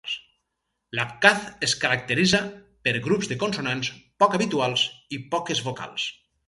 L'abkhaz es caracteritza per grups de consonants poc habituals i poques vocals.